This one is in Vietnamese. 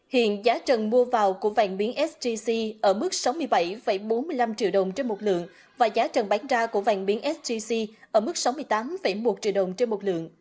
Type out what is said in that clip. hiện giá trần mua vào của vàng miếng sgc ở mức sáu mươi bảy bốn mươi năm triệu đồng trên một lượng và giá trần bán ra của vàng miếng sgc ở mức sáu mươi tám một triệu đồng trên một lượng